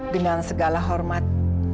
dengan segala hormat